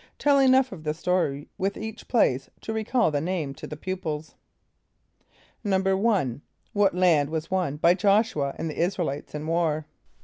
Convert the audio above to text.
(Tell enough of the story with each place to recall the name to the pupils.) =1.= What land was won by J[)o]sh´u [.a] and the [)I][s+]´ra el [=i]tes in war?